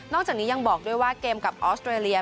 จากนี้ยังบอกด้วยว่าเกมกับออสเตรเลีย